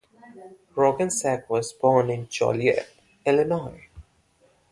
Roggensack was born in Joliet, Illinois.